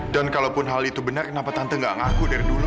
dan kalaupun hal itu benar kenapa tante gak ngaku dari dulu